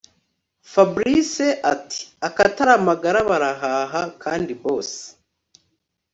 Fabric atiakataramagara barahaha kandi boss